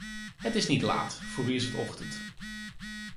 Het is niet laat, voor u is het ochtend.